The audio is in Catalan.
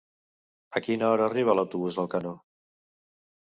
A quina hora arriba l'autobús d'Alcanó?